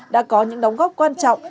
đã có những đóng góp quan trọng